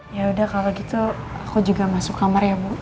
ya udah kalau gitu aku juga masuk kamar ya bu